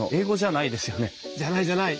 じゃないじゃない。